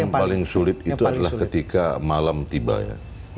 yang paling sulit itu adalah ketika malam tiba ya